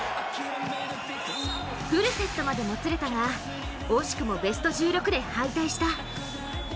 フルセットまでもつれたが惜しくもベスト１６で敗退した。